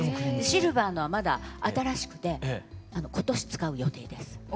シルバーのはまだ新しくて今年使う予定です。